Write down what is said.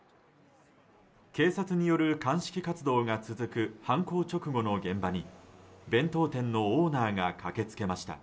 警察による鑑識活動が続く犯行直後の現場に弁当店のオーナーが駆けつけました。